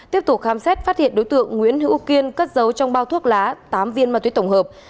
tiếp tục khám xét phát hiện đối tượng nguyễn hữu kiên cất giấu trong bao thuốc lá tám viên ma túy tổng hợp